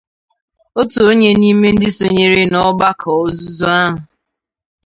otu onye n'ime ndị sonyere n'ọgbakọ ọzụzụ ahụ